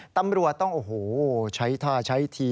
ตำรวจต้องโอ้โหใช้ท่าใช้ที